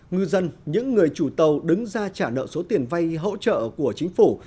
ngư dân những người chủ tàu đứng ra trả nợ số tiền vay hỗ trợ của chính phủ